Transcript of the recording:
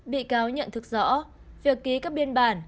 bị cáo nhận thức rõ việc ký các biên bản